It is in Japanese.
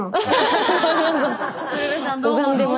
鶴瓶さんどうもどうも。